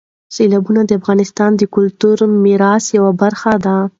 سیلابونه د افغانستان د کلتوري میراث یوه برخه ده.